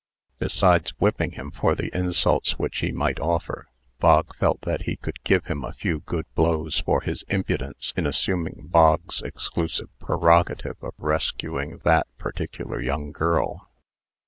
Besides whipping him for the insults which he might offer, Bog felt that he could give him a few good blows for his impudence in assuming Bog's exclusive prerogative of rescuing that particular young girl.